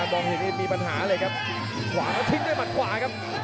กระโดยสิ้งเล็กนี่ออกกันขาสันเหมือนกันครับ